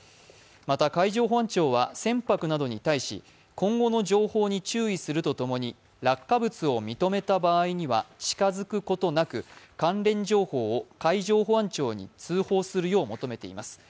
また、海上保安庁は船舶などに対し今後の情報に注意するとともに落下物を認めた場合には近づくことなく関連情報を海上保安庁に通報するよう求めています。